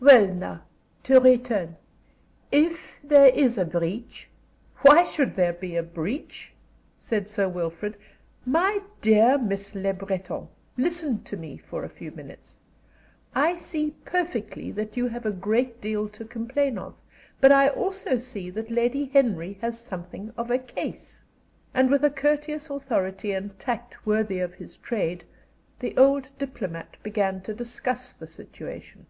Well, now, to return. If there is a breach " "Why should there be a breach?" said Sir Wilfrid. "My dear Miss Le Breton, listen to me for a few minutes. I see perfectly that you have a great deal to complain of, but I also see that Lady Henry has something of a case." And with a courteous authority and tact worthy of his trade, the old diplomat began to discuss the situation.